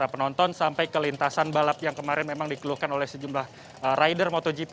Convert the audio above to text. penonton sampai ke lintasan balap yang kemarin memang dikeluhkan oleh sejumlah rider motogp